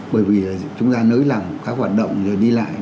bởi vì chúng ta nới lẳng các hoạt động rồi đi lại